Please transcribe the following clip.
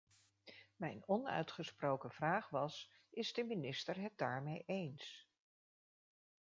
Mijn onuitgesproken vraag was: is de minister het daarmee eens?